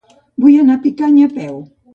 Vull anar a Picanya a peu.